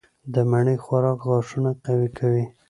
د مڼې خوراک غاښونه قوي کوي.